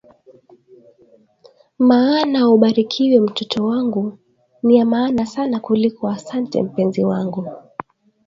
Maana ubarikiwe mtoto wangu niya mahana sana kuliko asante mpenzi wangu